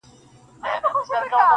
ستا څخه چي ياره روانـــــــــــېــږمه.